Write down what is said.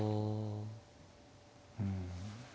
うん。